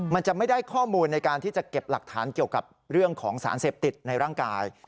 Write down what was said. มันจะไม่ได้ข้อมูลในการที่จะเก็บหลักฐานเกี่ยวกับเรื่องของสารเสพติดในร่างกาย